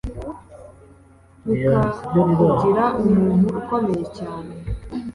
bikakugira umuntu ukomeye cyane